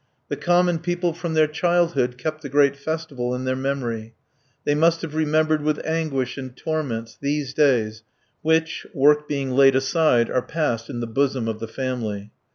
The common people from their childhood kept the great festival in their memory. They must have remembered with anguish and torments these days which, work being laid aside, are passed in the bosom of the family.